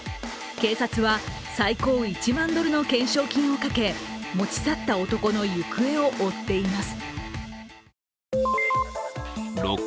警察は最高１万ドルの懸賞金をかけ持ち去った男の行方を追っています。